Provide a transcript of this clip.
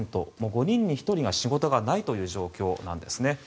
５人に１人が仕事がないという状況なんですね。